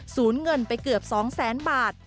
สูญเงินไปเกือบ๒๐๐๐๐๐บาท